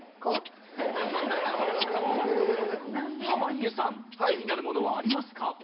濱家さん気になるものはありますか？